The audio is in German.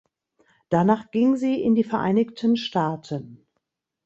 Danach ging sie in die Vereinigten Staaten.